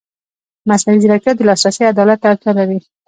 مصنوعي ځیرکتیا د لاسرسي عدالت ته اړتیا لري.